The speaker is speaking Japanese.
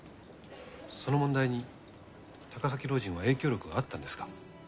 その問題に高崎老人は影響力があったんですか？